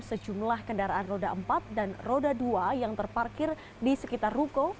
sejumlah kendaraan roda empat dan roda dua yang terparkir di sekitar ruko